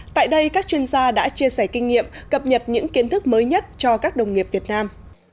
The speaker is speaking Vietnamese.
tại đây các chuyên gia đã chia sẻ kinh nghiệm cập nhật những kiến thức mới nhất cho các đồng nghiệp việt nam